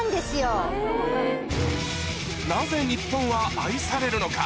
なぜ日本は愛されるのか？